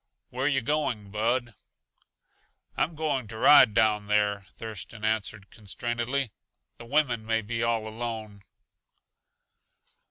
Where yuh going, Bud?" "I'm going to ride down there," Thurston answered constrainedly. "The women may be all alone."